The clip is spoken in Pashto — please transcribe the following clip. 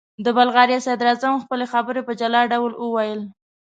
د بلغاریا صدراعظم خپلې خبرې په جلا ډول وویل.